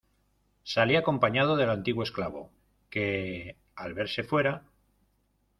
salí acompañado del antiguo esclavo, que , al verse fuera